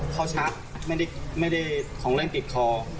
ชักไม่ได้ของเล่นติดคอ